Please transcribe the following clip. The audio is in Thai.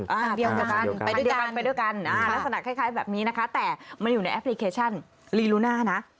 ทางเดียวกันลักษณะคล้ายแบบนี้นะคะแต่มันอยู่ในแอปพลิเคชันลีลูน่านะ